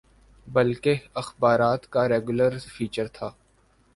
بلکہ اخبارات کا ریگولر فیچر تھا۔